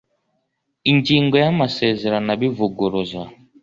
ingingo y amasezerano ibivuguruza